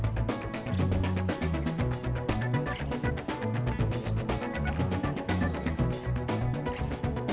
ataupun merekasi peng hacimara